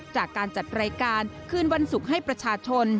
จากการจัดรายการคืนวันศุกร์ให้ประชาชน